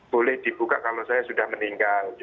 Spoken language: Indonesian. boleh dibuka kalau saya sudah meninggal